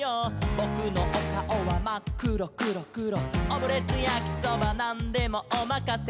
「ぼくのおかおはまっくろくろくろ」「オムレツやきそばなんでもおまかせ！」